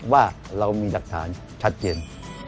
ว่าเรามีหลักฐานชัดเจน